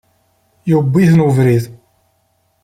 Iwwi-ten uberriḍ.